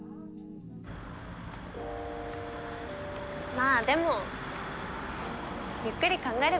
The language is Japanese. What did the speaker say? まあでもゆっくり考えればいっか。